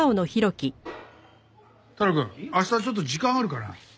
太郎くん明日ちょっと時間あるかな？